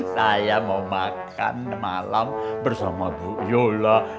saya mau makan malam bersama bu yolo